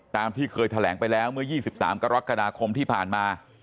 ที่เคยแถลงไปแล้วเมื่อ๒๓กรกฎาคมที่ผ่านมา